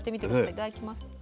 いただきます。